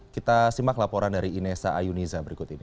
kita simak laporan dari inessa ayuniza berikut ini